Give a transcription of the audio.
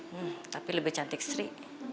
hmm tapi lebih cantik sri